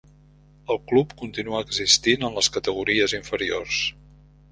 El club continua existint en les categories inferiors.